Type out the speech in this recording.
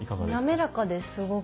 滑らかですすごく。